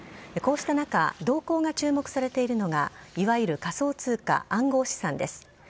こうした中、動向が注目されているのが、いわゆる仮想通貨・暗号資産です。